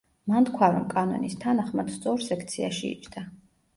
მან თქვა, რომ კანონის თანახმად სწორ სექციაში იჯდა.